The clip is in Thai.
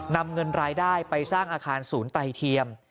นำเงินรายได้ไปสร้างอาคารศูนย์ไตเทียม